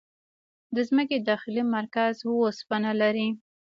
د ځمکې داخلي مرکز اوسپنه لري.